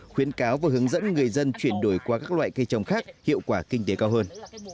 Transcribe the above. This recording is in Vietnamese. khuyến cáo và hướng dẫn người dân chuyển đổi qua các loại cây trồng khác hiệu quả kinh tế cao hơn